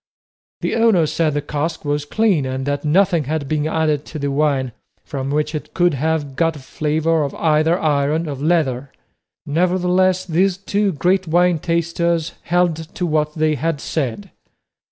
The owner said the cask was clean, and that nothing had been added to the wine from which it could have got a flavour of either iron or leather. Nevertheless, these two great wine tasters held to what they had said.